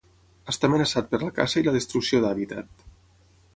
Està amenaçat per la caça i la destrucció d'hàbitat.